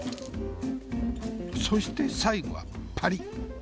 そして最後は「パリッ！」。